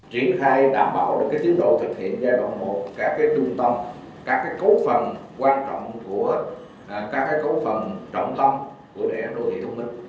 triển khai đảm bảo được tiến độ thực hiện giai đoạn một các trung tâm các cấu phần quan trọng của các cấu phần trọng tâm của đề án đô thị thông minh